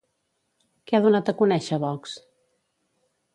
Què ha donat a conèixer Vox?